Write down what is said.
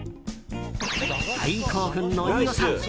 大興奮の飯尾さん。